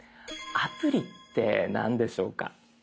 アプリって何でしょうか？